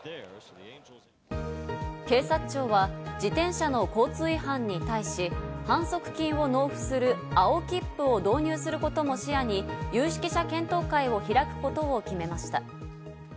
警察庁は自転車の交通違反に対し、反則金を納付する青切符を導入することも視野に有識者検討会を開くことを決めました。